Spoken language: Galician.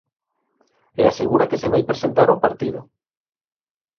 E asegura que se vai presentar ao partido.